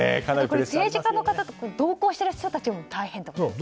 政治家の方とか同行している人たちも大変ですね。